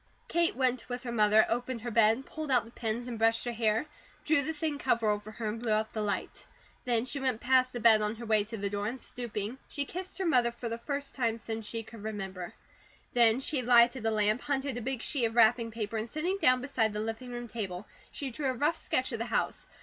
Kate went with her mother, opened her bed, pulled out the pins, and brushed her hair, drew the thin cover over her, and blew out the light. Then she went past the bed on her way to the door, and stooping, she kissed her mother for the first time since she could remember. Then she lighted a lamp, hunted a big sheet of wrapping paper, and sitting down beside the living room table, she drew a rough sketch of the house.